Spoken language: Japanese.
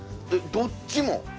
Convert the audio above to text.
どっちも。